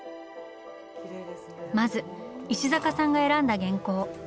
まず石坂さんが選んだ原稿。